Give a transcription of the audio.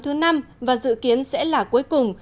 thứ năm và dự kiến sẽ là cuối cùng